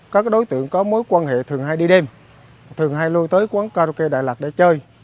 các đối tượng có mối quan hệ thường hay đi đêm thường hay lôi tới quán karaoke đài lạt để chơi